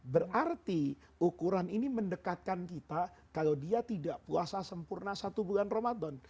berarti ukuran ini mendekatkan kita kalau dia tidak puasa sempurna satu bulan ramadan